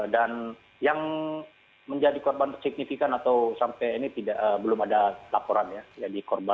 dan yang menjadi korban signifikan atau sampai ini belum ada laporan ya